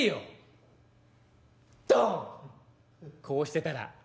「こうしてたら」。